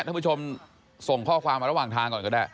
ท่านผู้ชมส่งข้อความมาระหว่างทางก่อนก็ได้